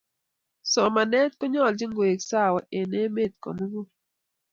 somanee ko nyolchin koek sawa en emee komukul